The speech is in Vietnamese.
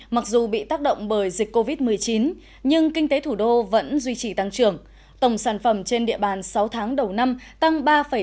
mặc dù bị tác động bởi dịch covid một mươi chín nhưng kinh tế thủ đô vẫn duy trì tăng trưởng tổng sản phẩm trên địa bàn sáu tháng đầu năm tăng ba bốn